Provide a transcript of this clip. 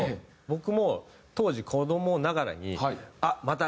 僕も当時子どもながらに。